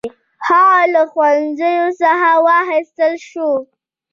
هغه له ښوونځي څخه وایستل شو.